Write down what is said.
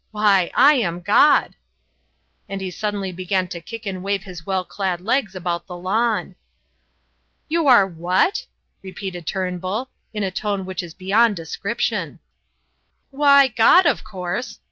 Why, I am God!" And he suddenly began to kick and wave his well clad legs about the lawn. "You are what?" repeated Turnbull, in a tone which is beyond description. "Why, God, of course!"